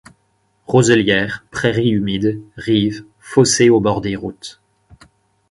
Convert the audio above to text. Roselières, prairies humides, rives, fossés au bord des routes.